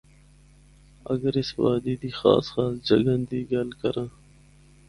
اگر اس وادی دی خاص خاص جگہاں دی گل کراں۔